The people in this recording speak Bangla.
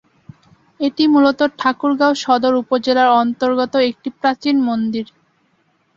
এটি মূলত ঠাকুরগাঁও সদর উপজেলার অন্তর্গত একটি প্রাচীন মন্দির।